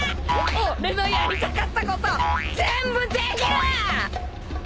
俺のやりたかったこと全部できる！